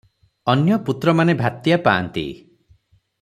ଅନ୍ୟ ପୁତ୍ରମାନେ ଭାତିଆ ପାଆନ୍ତି ।